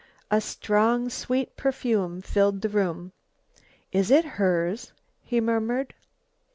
A strong sweet perfume filled the room. "It is hers?" he murmured.